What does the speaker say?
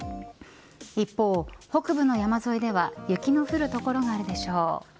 一方、北部の山沿いでは雪の降る所があるでしょう。